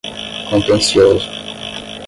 contencioso